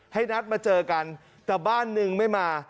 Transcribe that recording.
ให้นัดมาเจอกันแต่บ้านหนึ่งไม่มา